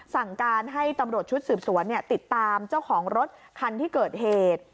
สั่งการให้ตำรวจชุดสืบสวนติดตามเจ้าของรถคันที่เกิดเหตุ